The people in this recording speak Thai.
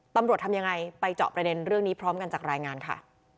ตำรวจทำยังไงไปเจาะประเด็นเรื่องนี้พร้อมกันจากรายงานค่ะ